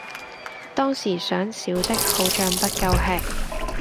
當時想小的好像不夠吃